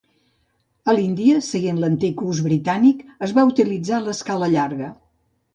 A l'Índia, seguint l'antic ús britànic, es va utilitzar l'escala llarga.